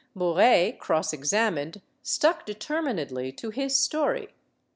Bouret, cross examined, stuck determinedly to his story.